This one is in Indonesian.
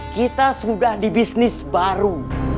kita sudah di bisnis baru